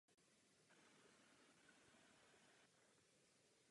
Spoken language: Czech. Premiér Janša už některé z nich představil.